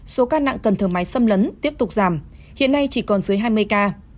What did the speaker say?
số ca nặng cần thở máy xâm lấn tiếp tục giảm hiện nay chỉ còn dưới hai mươi ca